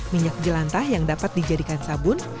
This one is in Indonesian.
minyak jelantah yang dapat dijadikan sabun